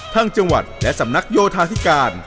จังหวัดและสำนักโยธาธิการ